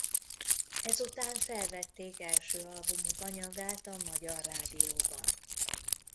Ezután felvették első albumuk anyagát a Magyar Rádióban.